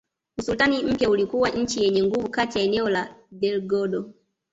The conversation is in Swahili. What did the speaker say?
Usultani mpya ulikuwa nchi yenye nguvu kati ya eneo la Delgado